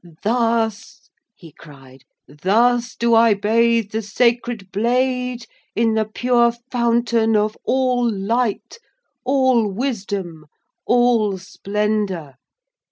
'Thus,' he cried, 'thus do I bathe the sacred blade in the pure fountain of all light, all wisdom, all splendour.